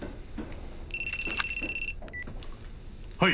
はい。